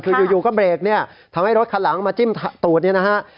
คืออยู่ก็เบรกเนี่ยทำให้รถคันหลังมาจิ้มตูดเนี่ยนะฮะ